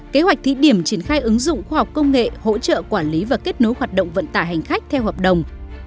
kế hoạch thí điểm triển khai ứng dụng khoa học công nghệ hỗ trợ quản lý và kết nối hoạt động vận tải hành khách theo hợp đồng